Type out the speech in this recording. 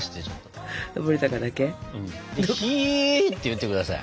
でひーって言って下さい。